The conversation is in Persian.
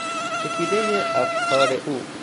چکیدهی افکار او